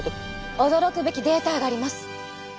驚くべきデータがあります。